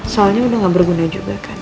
soalnya udah gak berguna juga kan